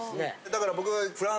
だから僕。